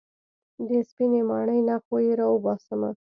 د سپينې ماڼۍ نه خو يې راوباسمه.